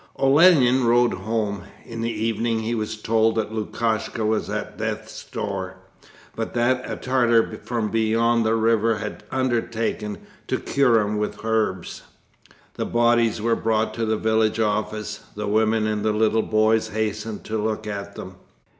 Olenin rode home. In the evening he was told that Lukashka was at death's door, but that a Tartar from beyond the river had undertaken to cure him with herbs. The bodies were brought to the village office. The women and the little boys hastened to look at them.